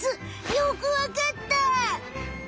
よくわかった。